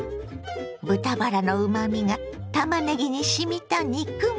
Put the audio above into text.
豚バラのうまみがたまねぎにしみた肉巻き。